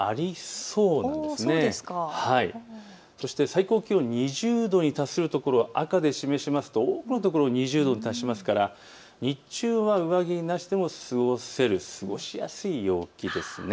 そして最高気温２０度に達するところを赤で示しますと多くの所、２０度に達しますから日中は上着なしでも過ごせる過ごしやすい陽気です。